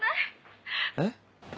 えっ？